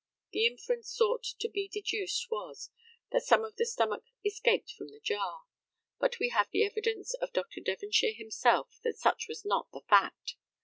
The inference sought to be deduced was, that some of the stomach escaped from the jar: but we have the evidence of Dr. Devonshire himself that such was not the fact.